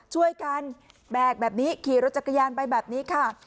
ช่วยกันแบกแบบนี้ขี่รถจักรยานไปแบบนี้ค่ะ